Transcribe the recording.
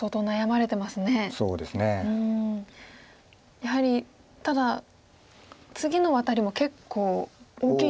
やはりただ次のワタリも結構大きいですよね。